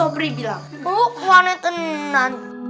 bidih hai ya